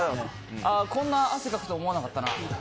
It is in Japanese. こんな汗かくと思わなかったな。